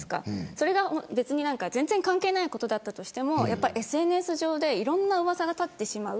それが全然関係ないことでもＳＮＳ上でいろんなうわさが立ってしまう。